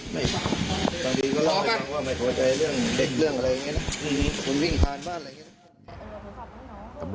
ตอนนี้ก็รอให้กัน